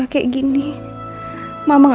masih ada yang nunggu